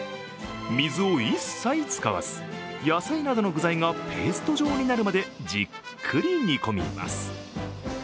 水を一切使わず野菜などの具材がペースト状になるまでじっくり煮込みます。